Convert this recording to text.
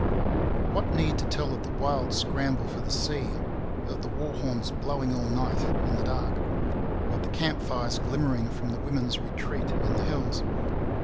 What need to tell of the wild scramble for the sea; of the war horns blowing all night in the dark; of the camp fires glimmering from the women's retreat in the hills?